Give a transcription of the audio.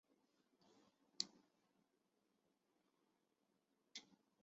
希尼的总面积为平方公里。